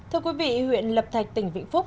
huyện lập thạch tỉnh vĩnh phúc